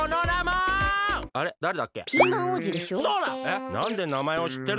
えっなんでなまえをしってるのだ！